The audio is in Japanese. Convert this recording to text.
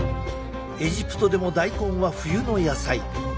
エジプトでも大根は冬の野菜。